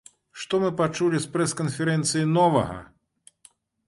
Што мы пачулі з прэс-канферэнцыі новага?